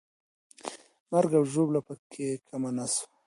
مرګ او ژوبله پکې کمه نه سوه.